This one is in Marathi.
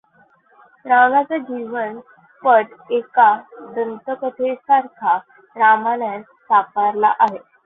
रावणाचा जीवनपट एका दंतकथेसारखा रामायणात साकारला आहे.